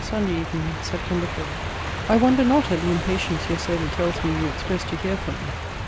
SUNDAY EVENING, SEPT. 3. I wonder not at the impatience your servant tells me you express to hear from me.